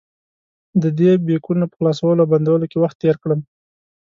ددې بیکونو په خلاصولو او بندولو کې وخت تېر کړم.